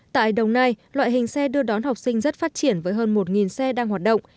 tại đồng nai loại hình xe đưa đón học sinh rất phát triển với hơn một xe đang hoạt động